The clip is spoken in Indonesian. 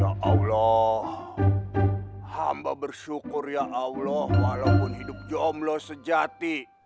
ya allah hamba bersyukur ya allah walaupun hidup jomblo sejati